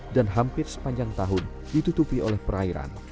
hampir sepanjang tahun ditutupi oleh perairan